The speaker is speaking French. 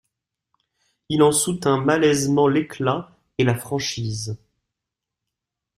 Il en soutint malaisément l'éclat et la franchise.